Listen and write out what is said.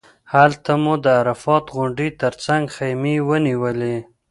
هلته مو د عرفات غونډۍ تر څنګ خیمې ونیولې.